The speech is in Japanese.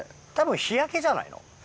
たぶん日焼けじゃないの？